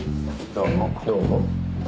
どうも。